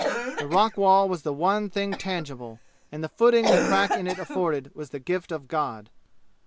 The rock wall was the one thing tangible, and the footing the crack in it afforded was the gift of God.